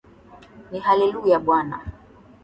Ni hallelujah, Bwana